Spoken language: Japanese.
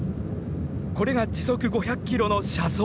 これが時速５００キロの車窓。